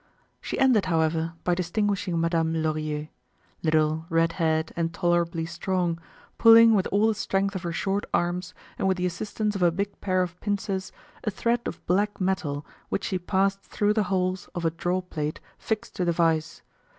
She ended however, by distinguishing Madame Lorilleux—little, red haired and tolerably strong, pulling with all the strength of her short arms, and with the assistance of a big pair of pincers, a thread of black metal which she passed through the holes of a draw plate fixed to the vise.